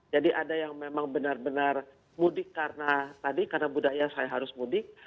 jadi ada yang memang benar benar mudik karena budaya saya harus mudik